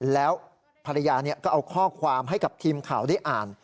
แล้วภรรยาก็เอาข้อความให้กับทีมข่าวได้อ่าน